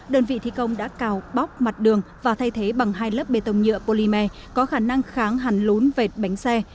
đơn vị thi công đã cào bóc mặt đường và thay thế bằng hai lớp bê tông nhựa polymer có khả năng kháng hành lún vệt bánh xe